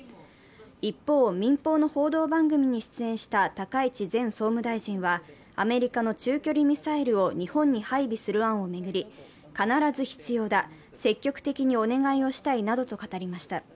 一方、民放の報道番組に出演した高市前総務大臣は、アメリカの中距離ミサイルを日本に配備する案を巡り、必ず必要だ、積極的にお願いをしたいなどと語りました。